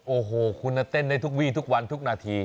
โอ้โหคุณเต้นได้ทุกวีทุกวันทุกนาที